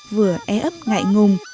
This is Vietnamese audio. vừa é ấp ngại ngùng